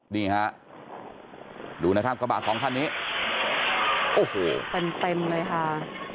นี่ฮะดูนะครับกระบะสองคันนี้โอ้โหเต็มเต็มเลยค่ะ